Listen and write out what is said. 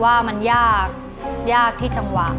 ว่ามันยากยากที่จังหวะ